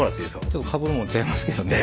ちょっとかぶるもん違いますけどね。